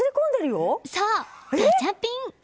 そう、ガチャピン！